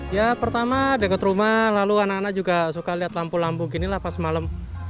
ya pertama dekat rumah lalu anak anak juga suka lihat lampu lampu gini lah pas malam